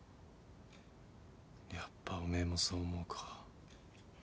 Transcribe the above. やっぱおめえもそう思うか。